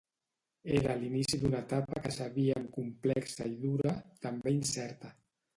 Era l’inici d’una etapa que sabíem complexa i dura, també incerta.